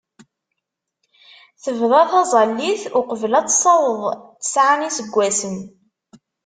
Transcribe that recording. Tebda taẓẓalit uqbel ad tessaweḍ tesɛa n yiseggasen.